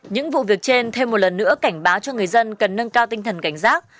những vụ việc trên thêm một lần nữa cảnh báo cho người dân cần nâng cao tinh thần cảnh giác